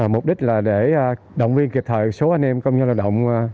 mục đích là để động viên kịp thời số anh em công nhân lao động